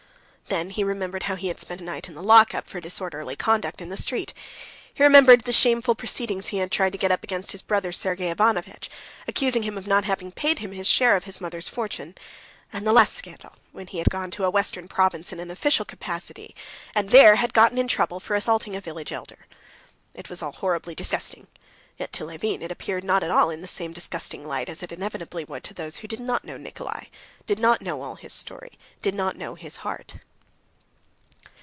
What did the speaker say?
Then he remembered how he had spent a night in the lockup for disorderly conduct in the street. He remembered the shameful proceedings he had tried to get up against his brother Sergey Ivanovitch, accusing him of not having paid him his share of his mother's fortune, and the last scandal, when he had gone to a western province in an official capacity, and there had got into trouble for assaulting a village elder.... It was all horribly disgusting, yet to Levin it appeared not at all in the same disgusting light as it inevitably would to those who did not know Nikolay, did not know all his story, did not know his heart.